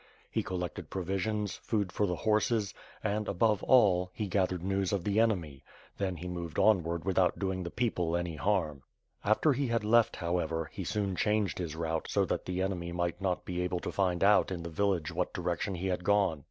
He collected provisions, food for the horses, and, above all, he gathered news of the enemy; then he moved onward with out doing the people any harm. After he had left, however, he soon changed his route so that the enemy might not be able to find out in the village in what direction he had gone.